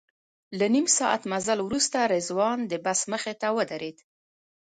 له نیم ساعت مزل وروسته رضوان د بس مخې ته ودرېد.